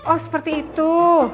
oh seperti itu